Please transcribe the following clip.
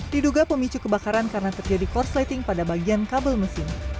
diduga pemicu kebakaran karena terjadi korsleting pada bagian kabel mesin